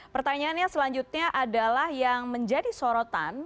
pertanyaannya selanjutnya adalah yang menjadi sorotan